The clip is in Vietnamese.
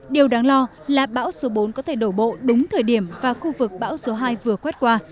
điều đáng lo là bão số bốn có thể đổ bộ đúng thời điểm và khu vực bão số hai vừa quét qua